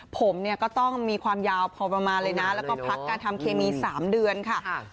ผมเนี่ยก็ต้องมีความยาวพอประมาณเลยนะแล้วก็พักการทำเคมี๓เดือนค่ะ